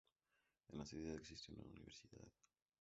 En la ciudad existe una universidad.